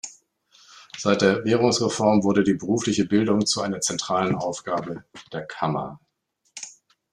Seit der Währungsreform wurde die berufliche Bildung zu einer zentralen Aufgabe der Kammer.